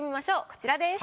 こちらです。